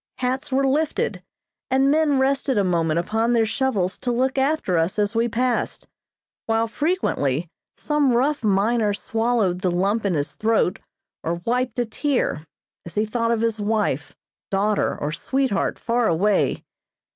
Hats were lifted, and men rested a moment upon their shovels to look after us as we passed, while frequently some rough miner swallowed the lump in his throat or wiped a tear, as he thought of his wife, daughter or sweetheart far away.